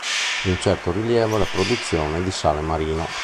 Di un certo rilievo è la produzione di sale marino.